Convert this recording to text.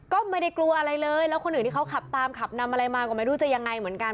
ก็ไม่ได้กลัวอะไรเลยแล้วคนอื่นที่เขาขับตามขับนำอะไรมาก็ไม่รู้จะยังไงเหมือนกัน